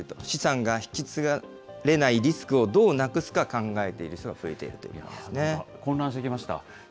資産が引き継がれないリスクをどうなくすか考えている人が増えて混乱してきました。